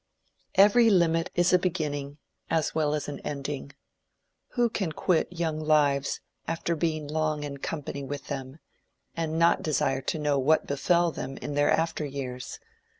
Every limit is a beginning as well as an ending. Who can quit young lives after being long in company with them, and not desire to know what befell them in their after years?